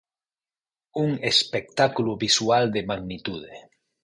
Un espectáculo visual de magnitude.